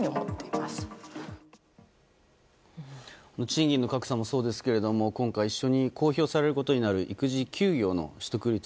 賃金の格差もそうですけど今回一緒に公表されることになる育児休暇の取得率。